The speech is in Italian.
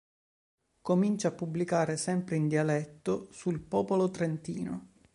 Comincia a pubblicare, sempre in dialetto, sul "Popolo Trentino".